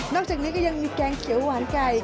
จากนี้ก็ยังมีแกงเขียวหวานไก่